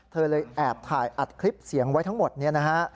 เธอเลยแอบถ่ายอัดคลิปเสียงไว้ทั้งหมดเนี่ยนะฮะ